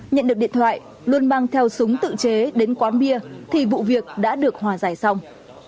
nhận được điện thoại luân mang theo súng tự chế đến quán bia thì vụ việc đã được hòa giải xong